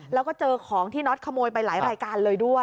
แล้วก็เจอของที่น็อตขโมยไปหลายรายการเลยด้วย